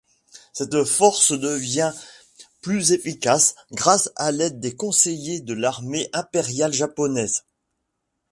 Cette force devient plus efficace grâce à l'aide de conseillers de l'armée impériale japonaise.